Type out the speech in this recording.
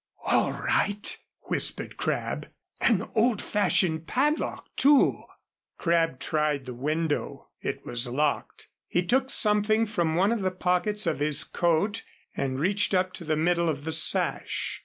"All right," whispered Crabb. "An old fashioned padlock, too." Crabb tried the window. It was locked. He took something from one of the pockets of his coat and reached up to the middle of the sash.